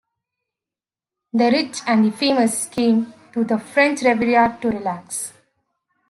The rich and the famous came to the French Riviera to relax.